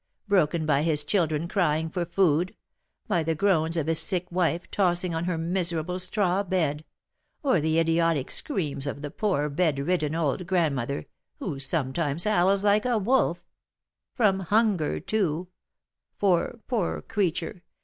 broken by his children crying for food, by the groans of his sick wife tossing on her miserable straw bed, or the idiotic screams of the poor bedridden old grandmother, who sometimes howls like a wolf, from hunger, too, for, poor creature!